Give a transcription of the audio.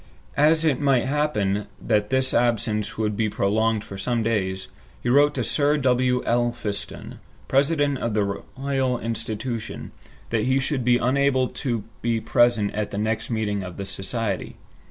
As it might happen that his absence would be prolonged for some days, he wrote to Sir W. Elphiston, President of the Royal Institution, that he should be unable to be present at the next meeting of the Society.